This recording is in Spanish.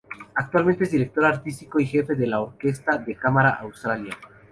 Actualmente es Director Artístico y Jefe de la Orquesta de Cámara de Australia.